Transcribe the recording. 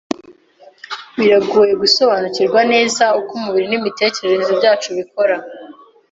Biragoye gusobanukirwa neza uko umubiri n'imitekerereze byacu bikora.